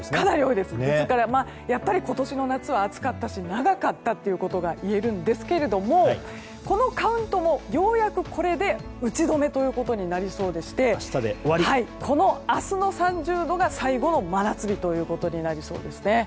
やはり今年の夏は暑かったし、長かったといえるんですけれどもこのカウントもようやくこれで打ち止めとなりそうでして明日の３０度が最後の真夏日となりそうです。